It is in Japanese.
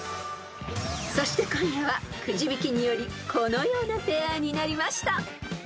［そして今夜はくじ引きによりこのようなペアになりました］